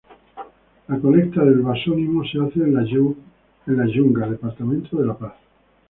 La colecta del basónimo se hace en Las Yungas, Departamento de La Paz